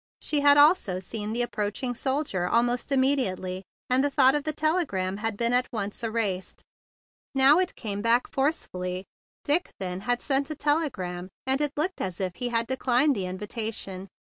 She had also seen the approaching soldier al¬ most immediately, and the thought of the telegram had been at once erased. Now it came back forcefully. Dick, then, had sent a telegram, and it looked as if he had declined the invitation.